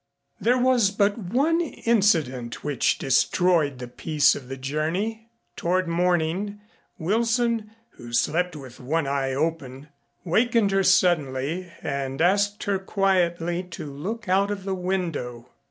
There was but one incident which destroyed the peace of the journey. Toward morning, Wilson, who slept with one eye open, wakened her suddenly and asked her quietly to look out of the window.